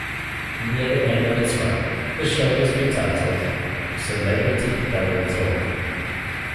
Near the end of its run, the show was retitled "Celebrity Double Talk".